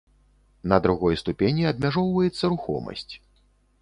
На другой ступені абмяжоўваецца рухомасць.